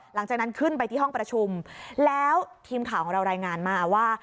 หลังจากนั้นขึ้นไปที่ห้องประชุมแล้วทีมข่าวของเรารายงานมาว่า